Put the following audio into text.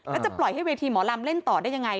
แล้วจะปล่อยให้เวทีหมอลำเล่นต่อได้ยังไง